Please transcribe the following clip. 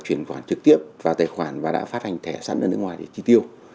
chuyển khoản trực tiếp vào tài khoản và đã phát hành thẻ sẵn ở nước ngoài để chi tiêu